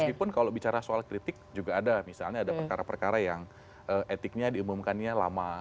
meskipun kalau bicara soal kritik juga ada misalnya ada perkara perkara yang etiknya diumumkannya lama